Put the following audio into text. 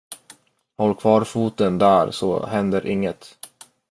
Håll kvar foten där så händer inget.